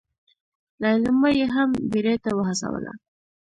ليلما يې هم بيړې ته وهڅوله.